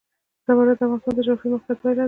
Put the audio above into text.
زمرد د افغانستان د جغرافیایي موقیعت پایله ده.